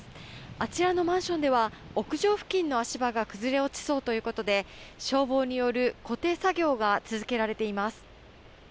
あちらのマンションでは屋上付近の足場が崩れ落ちそうということで、消防による固定作業が続けられています。